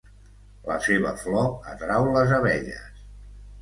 la seva flor atrau les abelles